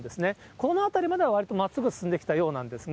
この辺りまではわりとまっすぐ進んできたようなんですが。